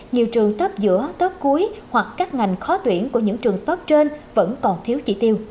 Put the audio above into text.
nhiều trường thấp giữa tấp cuối hoặc các ngành khó tuyển của những trường tốt trên vẫn còn thiếu chỉ tiêu